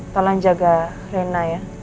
tolong jaga rena ya